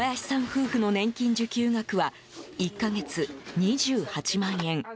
夫婦の年金受給額は１か月２８万円。